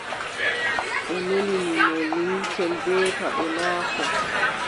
O nelini mo limcel bee paɗe maako.